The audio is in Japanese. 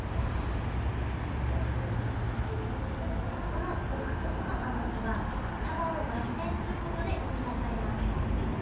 この独特の甘みは茶葉をばい煎することで生み出されます